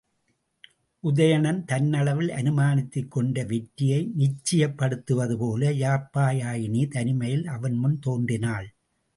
உதயணன் தன்னளவில் அநுமானித்துக் கொண்ட வெற்றியை நிச்சயப்படுத்துவதுபோல யாப்பியாயினி தனிமையில் அவன் முன் தோன்றினாள்.